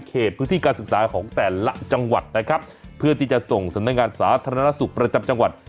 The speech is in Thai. เขตพื้นที่การศึกษาของแต่ละจังหวัดนะครับเพื่อที่จะส่งสำนักงานสาธารณสุขประจำจังหวัด